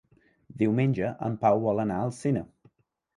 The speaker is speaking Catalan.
Diumenge en Pau vol anar al cinema.